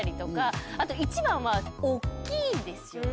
あと一番はおっきいですよね。